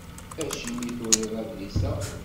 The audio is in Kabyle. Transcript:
Acimi i turiḍ adlis-a?